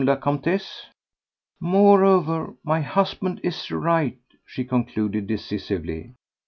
la Comtesse?" "Moreover, my husband is right," she concluded decisively.